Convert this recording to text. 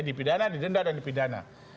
dipidana didenda dan dipidana